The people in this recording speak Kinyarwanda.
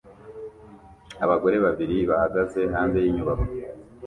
Abagore babiri bahagaze hanze yinyubako